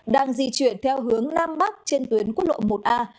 đang di chuyển theo hướng nam bắc trên tuyến quốc lộ một a